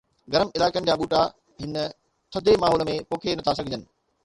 گرم علائقن جا ٻوٽا هن ٿڌي ماحول ۾ پوکي نٿا سگهن